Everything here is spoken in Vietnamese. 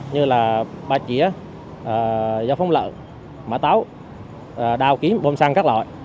như là ba chỉa do phóng lợn mã táo đào kiếm bom xăng các loại